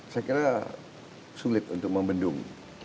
saya kira sulit untuk membendung